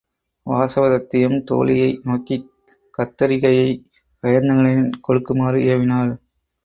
வாசவதத்தையும் தோழியை நோக்கிக் கத்தரிகையை வயந்தகனிடம் கொடுக்குமாறு ஏவினாள்.